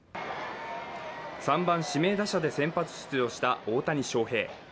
３番・指名打者で先発出場した大谷翔平。